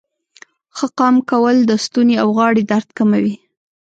ښه قام کول د ستونې او غاړې درد کموي.